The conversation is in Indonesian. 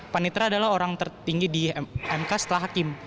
panitra adalah orang tertinggi di mk setelah hakim